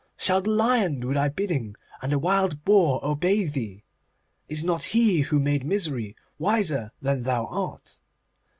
Shall the lion do thy bidding, and the wild boar obey thee? Is not He who made misery wiser than thou art?